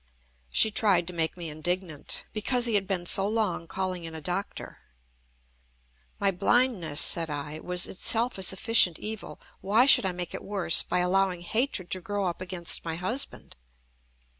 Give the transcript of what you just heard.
She tried to make me indignant, because he had been so long calling in a doctor. "My blindness," said I, "was itself a sufficient evil. Why should I make it worse by allowing hatred to grow up against my husband?"